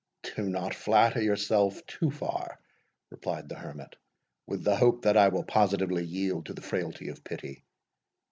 "Do not flatter yourself too far," replied the Hermit, "with the hope that I will positively yield to the frailty of pity.